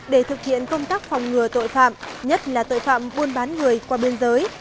để thực hiện công tác phòng ngừa tội phạm nhất là tội phạm buôn bán người qua biên giới